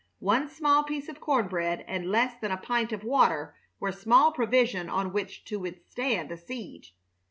One small piece of corn bread and less than a pint of water were small provision on which to withstand a siege.